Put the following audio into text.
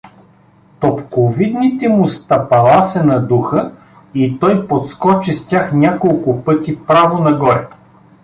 Топковидните му стъпала се надуха и той подскочи с тях няколко пъти право нагоре.